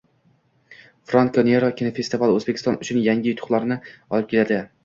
Franko Nero: kinofestival O‘zbekiston uchun yangi yutuqlarni olib keladi